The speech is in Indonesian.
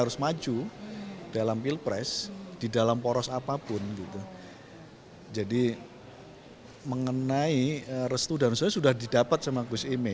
saya pikir ini saya pegang tanda itu ya